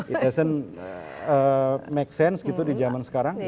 it doesn't make sense gitu di zaman sekarang